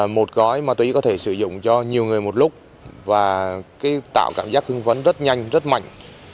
một gói ma túy có thể sử dụng cho nhiều người một lúc và tạo cảm giác hương vấn rất nhanh rất mạnh